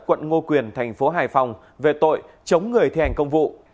quận ngô quyền tp hải phòng về tội chống người thi hành công vụ